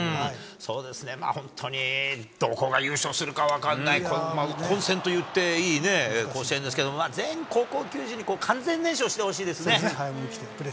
そうですね、本当に、どこが優勝するか分からない、混戦といっていい甲子園ですけど、全高校球児に完全燃焼してほしいそうですね。